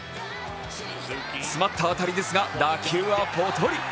詰まった当たりですが打球はポトリ。